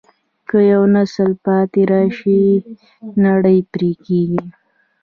که یو نسل پاتې راشي، لړۍ پرې کېږي.